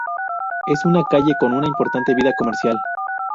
Es una calle con una importante vida comercial.